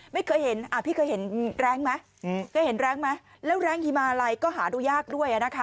ไม่เคยเห็นพี่เคยเห็นแรงไหมแล้วแรงหิมาไรก็หาดูยากด้วย